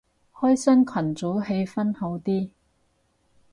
開新群組氣氛好啲